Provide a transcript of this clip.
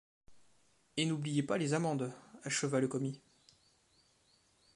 Et n’oubliez pas les amendes, acheva le commis.